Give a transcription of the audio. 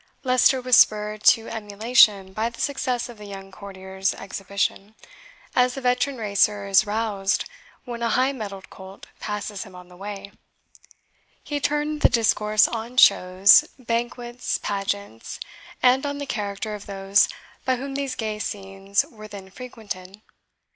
Leicester was spurred to emulation by the success of the young courtier's exhibition, as the veteran racer is roused when a high mettled colt passes him on the way. He turned the discourse on shows, banquets, pageants, and on the character of those by whom these gay scenes were then frequented.